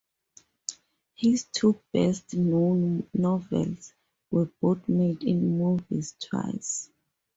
His two best known novels were both made into movies twice.